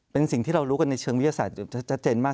เป็นสิ่งที่เรารู้กันในเชิงวิทยาศาสตร์ชัดเจนมาก